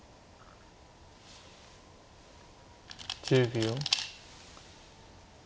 １０秒。